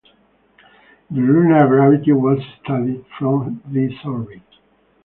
The lunar gravity was studied from this orbit.